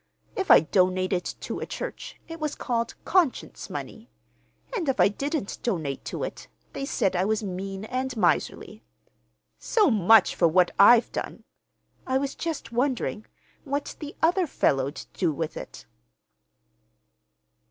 If I donated to a church, it was called conscience money; and if I didn't donate to it, they said I was mean and miserly. So much for what I've done. I was just wondering—what the other fellow'd do with it."